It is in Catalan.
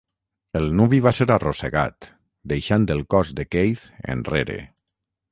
El nuvi va ser arrossegat, deixant el cos de Keith enrere.